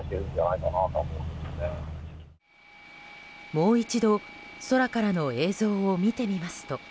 もう一度空からの映像を見てみますと。